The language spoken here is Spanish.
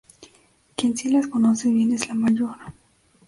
Quien sí las conoce bien es la mayor".